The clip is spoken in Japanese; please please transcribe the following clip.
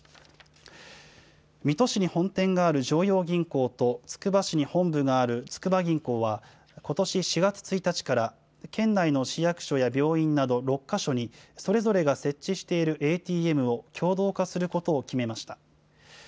水戸市に本店がある常陽銀行とつくば市に本部がある筑波銀行は、ことし４月１日から県内の市役所や病院など６か所にそれぞれが設置しているＡＴＭを共同化することを決めました。